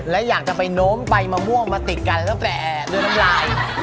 และอยากจะไปโน้มใบมะม่วงมาติดกันตั้งแต่ด้วยน้ำลาย